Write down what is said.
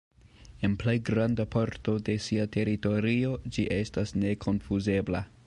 En plej granda parto de sia teritorio ĝi estas nekonfuzebla.